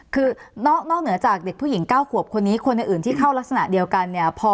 คือนอกเหนือจากเด็กผู้หญิง๙ขวบคนนี้คนอื่นที่เข้ารักษณะเดียวกันเนี่ย